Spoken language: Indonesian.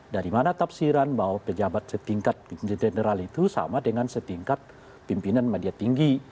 dari mana tafsiran bahwa pejabat setingkat general itu sama dengan setingkat pimpinan media tinggi